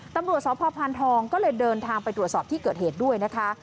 ตำรวจสพพานทองก็เลยเดินทางไปตรวจสอบที่เกิดเหตุด้วยนะคะ